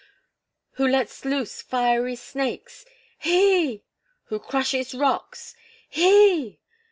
"Who lets loose fiery snakes " "He!" "Who crushes rocks " "He!"